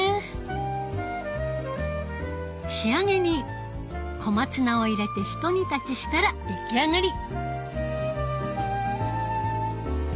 仕上げに小松菜を入れてひと煮立ちしたら出来上がり。